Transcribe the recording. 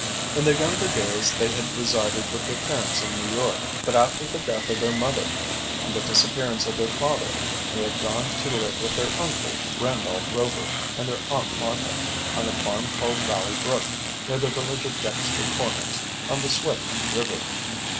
In their younger days they had resided with their parents in New York, but after the death of their mother and the disappearance of their father they had gone to live with their uncle, Randolph Rover, and their Aunt Martha, on a farm called Valley Brook, near the village of Dexter Corners, on the Swift River.